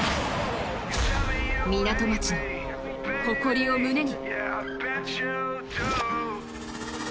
港町の誇りを胸に。